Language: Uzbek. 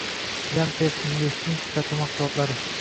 “Yan Tex Invest”ning sifatli mahsulotlari